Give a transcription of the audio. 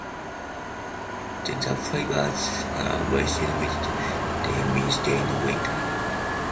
Then the fibers are washed with de-mineralised water.